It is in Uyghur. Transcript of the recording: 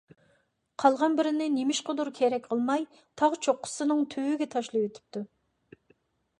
قالغان بىرىنى نېمىشقىدۇر كېرەك قىلماي، تاغ چوققىسىنىڭ تۈۋىگە تاشلىۋېتىپتۇ.